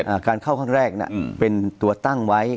การเข้าครั้งแรกน่ะอืมเป็นตัวตั้งไว้